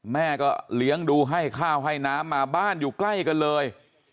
แม่ก็เลี้ยงดูให้ข้าวให้น้ำมาบ้านอยู่ใกล้กันเลย